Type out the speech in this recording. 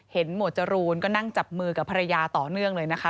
หมวดจรูนก็นั่งจับมือกับภรรยาต่อเนื่องเลยนะคะ